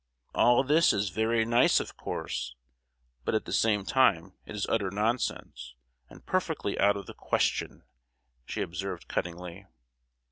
"All this is very nice, of course; but at the same time it is utter nonsense, and perfectly out of the question!" she observed cuttingly.